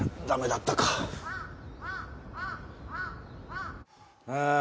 ダメだったかあ